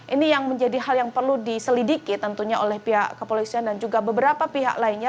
ini yang menjadi hal yang perlu diselidiki tentunya oleh pihak kepolisian dan juga beberapa pihak lainnya